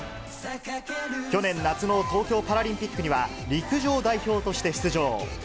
去年夏の東京パラリンピックには、陸上代表として出場。